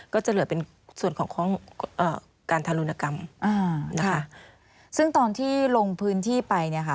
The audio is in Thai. ก็จะเหลือเป็นส่วนของของเอ่อการทารุณกรรมอ่านะคะซึ่งตอนที่ลงพื้นที่ไปเนี่ยค่ะ